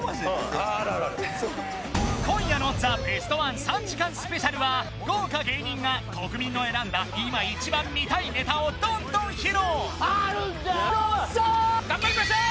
あるある今夜のザ・ベストワン３時間スペシャルは豪華芸人が国民の選んだ今一番見たいネタをどんどん披露